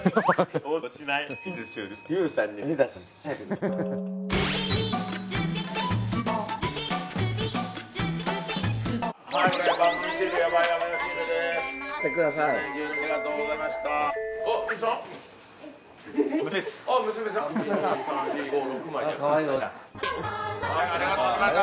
充電もありがとうございました。